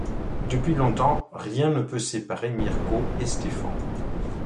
Depuis longtemps, rien ne peut séparer Mirko et Stefan.